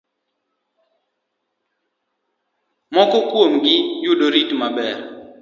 Moko kuom gi yudo rit maber.